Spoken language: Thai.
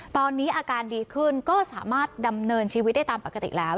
ตอนนี้อาการดีขึ้นก็สามารถดำเนินชีวิตได้ตามปกติแล้ว